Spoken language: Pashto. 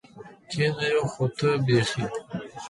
کېنه یو خو ته بېخي.